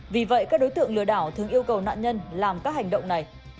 vì vậy các đối tượng lừa đảo thường yêu cầu nạn nhân làm các hành động này